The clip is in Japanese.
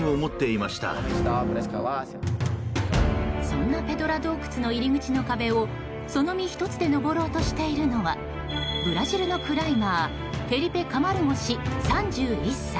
そんなペドラ洞窟の入り口の壁をその身１つで登ろうとしているのはブラジルのクライマーフェリペ・カマルゴ氏、３１歳。